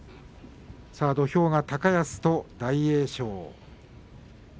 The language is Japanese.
土俵が高安と大栄翔。